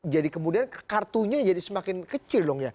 jadi kemudian kartunya jadi semakin kecil dong ya